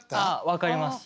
分かります。